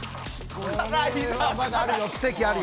まだあるよ、奇跡あるよ。